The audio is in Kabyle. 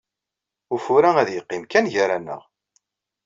Ufur-a ad yeqqim kan gar-aneɣ.